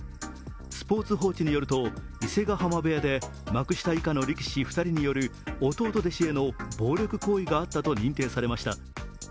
スポーツ報知によると伊勢ヶ浜部屋で幕下力士２人による弟弟子への暴力行為があったと認定されました。